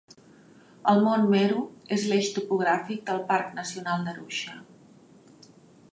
El mont Meru és l'eix topogràfic del Parc Nacional d'Arusha.